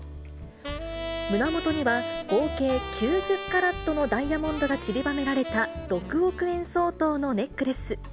胸元には、合計９０カラットのダイヤモンドがちりばめられた、６億円相当のネックレス。